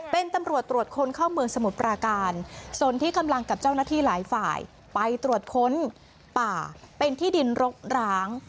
เป็นตำรวจตรวจคนเข้าเมืองสมุทรปราการส่วนที่กำลังกับเจ้าหน้าที่หลายฝ่ายไปตรวจค้นป่าเป็นที่ดินรกร้าง